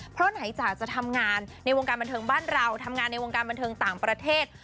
เพราะไหนจากจะทำงานในวงการบันเทิงบ้านเราทำงานในวงการบันเทิงต่างประเทศ